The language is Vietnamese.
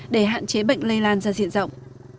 để hạn chế bệnh lây lan ra diện rộng